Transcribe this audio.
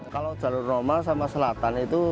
kalau jalur normal sama selatan itu